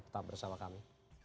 tetap bersama kami